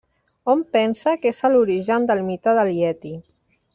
Hom pensa que és a l'origen del mite del ieti.